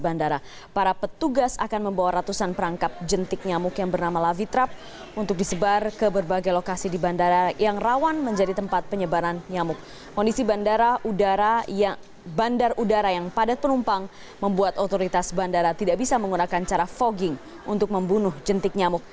akan cara fogging untuk membunuh jentik nyamuk